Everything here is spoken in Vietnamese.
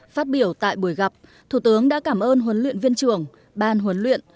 phát biểu tại buổi gặp thủ tướng đã cảm ơn huấn luyện viên trưởng ban huấn luyện